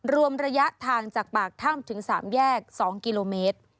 รวมระยะทางจากปากถ้ำถึง๓แยก๒กิโลเมตร